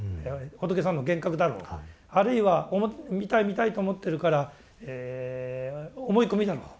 仏さんの幻覚だろうあるいは見たい見たいと思ってるから思い込みだろう